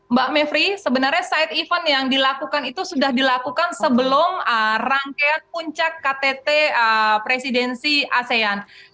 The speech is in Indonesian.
mbak mevri sebenarnya side event yang dilakukan itu sudah dilakukan sebelum rangkaian puncak ktt presidensi asean